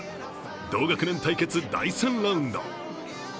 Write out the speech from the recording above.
同学年対決第３ラウンド。